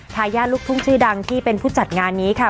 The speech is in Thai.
ทายาทลูกทุ่งชื่อดังที่เป็นผู้จัดงานนี้ค่ะ